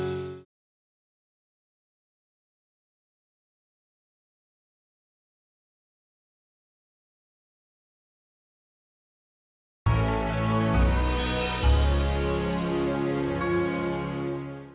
sampai jumpa di video selanjutnya